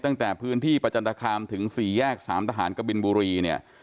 ตั้งแต่พื้นที่ประจันทคามถึง๔แยก๓ทหารกบินบุรีเนี่ย